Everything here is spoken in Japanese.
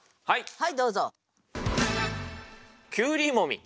はいどうぞ。